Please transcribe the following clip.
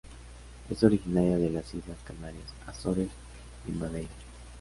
Es originaria de las Islas Canarias, Azores, y Madeira.